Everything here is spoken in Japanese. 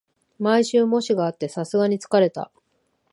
毎週、模試があってさすがに疲れた